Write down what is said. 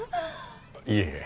いえいえ。